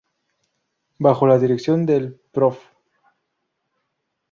Bajo la dirección del Prof.